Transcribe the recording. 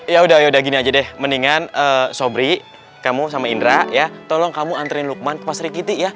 ya udah gini aja deh mendingan sobri kamu sama indra ya tolong kamu anterin lukman pasri giti ya